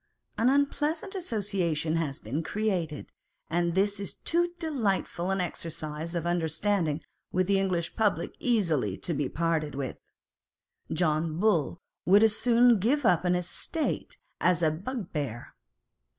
An unpleasant association has been created, and this is too delightful an exercise of the understanding with the English public easily to be parted with. John Bull would as soon give up an estate as a bugbear.